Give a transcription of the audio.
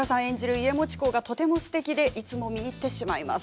家茂公がとてもすてきでいつも見入ってしまいます。